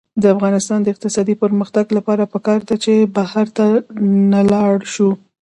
د افغانستان د اقتصادي پرمختګ لپاره پکار ده چې بهر ته نلاړ شو.